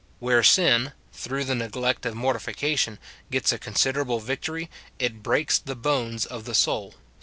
Where sin, through the neglect of mortification, gets a consider able victory, it breaks the bones of the soul, Psa.